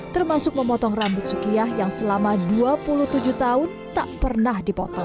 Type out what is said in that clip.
termasuk memotong rambut sukiyah yang selama dua puluh tujuh tahun tak pernah dipotong